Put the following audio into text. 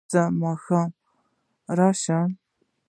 ایا زه ماښام راشم؟